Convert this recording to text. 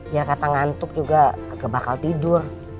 ya kata ngantuk juga bakal tidur